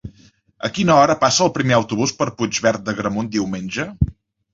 A quina hora passa el primer autobús per Puigverd d'Agramunt diumenge?